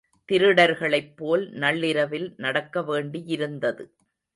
திருடர்களைப் போல் நள்ளிரவில் நடக்கவேண்டியிருந்தது.